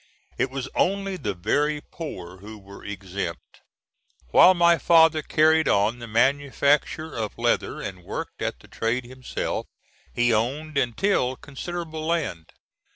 It was only the very poor who were exempt. While my father carried on the manufacture of leather and worked at the trade himself, he owned and tilled considerable land.